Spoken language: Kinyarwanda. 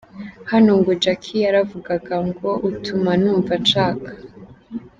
Hano ngo Jackie yaravugaga ngo: Utuma numva nshaka.